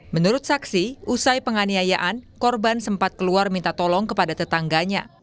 menurut saksi usai penganiayaan korban sempat keluar minta tolong kepada tetangganya